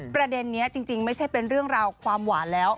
ประเด็นนี้จริงไม่ใช่เป็นเรื่องราวความหวานแล้ว